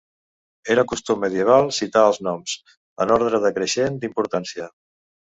Era costum medieval citar els noms, en ordre decreixent d'importància.